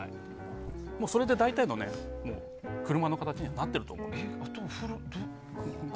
それで大体、車の形になっていると思うので。